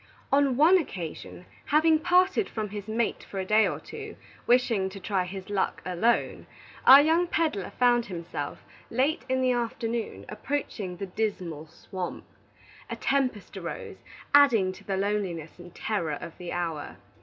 On one occasion, having parted from his mate for a day or two, wishing to try his luck alone, our young peddler found himself, late in the afternoon, approaching the Dismal Swamp. A tempest arose, adding to the loneliness and terror of the hour.